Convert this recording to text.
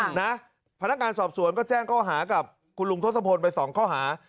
นะพนักงานสอบสวนก็แจ้งข้อหากับคุณลุงทศพลไปสองข้อหา